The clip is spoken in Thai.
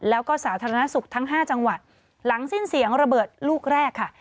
แล้วก็สาธารณสุขทั้ง๕จังหวัดหลังสิ้นเสียงระเบิดลูกแรกค่ะ